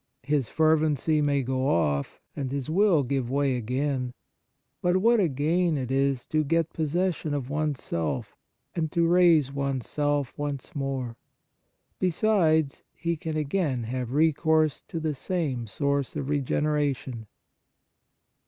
His fervency may go off and his will give way again, but what a gain it is to get possession of one s self and to raise one s self once more ! Besides, he can again have recourse to the same source of regeneration.